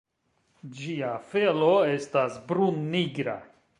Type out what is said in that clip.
Ĝia felo estas brun-nigra.